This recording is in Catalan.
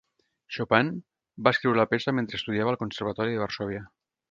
Chopin va escriure la peça mentre estudiava al Conservatori de Varsòvia.